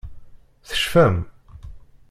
Tecfam?